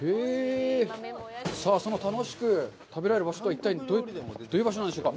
さあその楽しく食べられる場所とは一体どういう場所なんでしょうか。